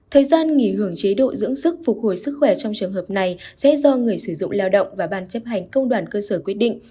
thời gian nghỉ hưởng chế độ dưỡng sức phục hồi sức khỏe trong trường hợp này sẽ do người sử dụng lao động và ban chấp hành công đoàn cơ sở quyết định